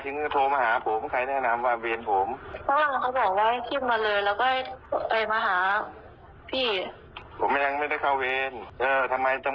แล้วตอนเกิดเหตุทำไมไม่มาแจ้งตอนเขาตายอ่ะ